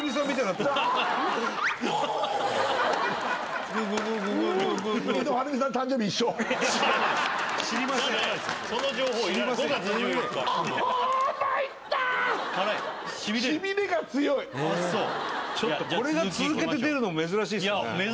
あっそうこれが続けて出るのも珍しいっすね